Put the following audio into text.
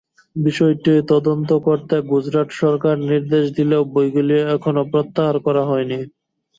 বিষয়টি তদন্ত করতে গুজরাট সরকার নির্দেশ দিলেও বইগুলো এখনো প্রত্যাহার করা হয়নি।